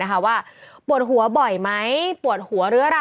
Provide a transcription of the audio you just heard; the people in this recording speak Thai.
พี่หนุ่มบอกว่าพี่หนุ่มบอกว่าพี่หนุ่มบอกว่าพี่หนุ่มบอกว่า